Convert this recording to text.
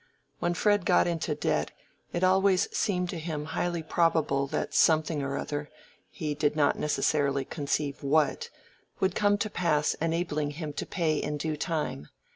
When Fred got into debt, it always seemed to him highly probable that something or other—he did not necessarily conceive what—would come to pass enabling him to pay in due time.